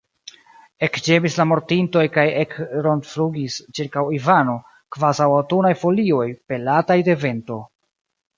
Ekĝemis la mortintoj kaj ekrondflugis ĉirkaŭ Ivano, kvazaŭ aŭtunaj folioj, pelataj de vento.